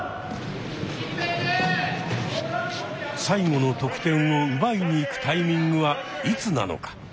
最後の得点を奪いに行くタイミングはいつなのか。